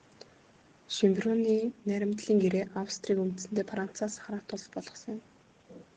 Шёнбрунны найрамдлын гэрээ Австрийг үндсэндээ Францаас хараат улс болгосон юм.